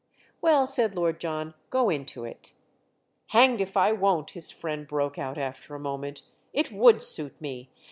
"Well," said Lord John, "go into it." "Hanged if I won't!" his friend broke out after a moment. "It would suit me.